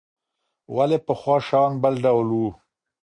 ولې پخوا شیان بل ډول وو؟